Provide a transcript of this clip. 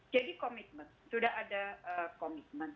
jadi komitmen sudah ada komitmen